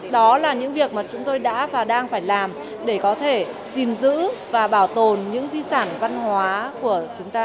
đó là những việc mà chúng tôi đã và đang phải làm để có thể gìn giữ và bảo tồn những di sản văn hóa của chúng ta